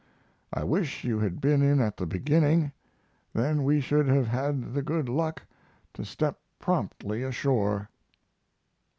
I wish you had been in at the beginning. Then we should have had the good luck to step promptly ashore.